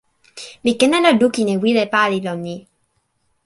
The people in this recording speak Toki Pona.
mi ken ala lukin e wile pali lon ni.